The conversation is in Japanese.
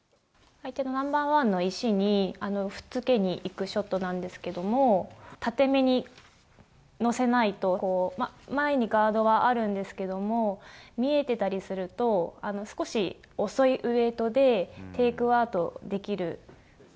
相手のナンバーワンの石にくっつけにいくショットなんですけど縦めに乗せないと前にガードはあるんですけども見えていたりすると少し遅いウェートでテイクアウトできる。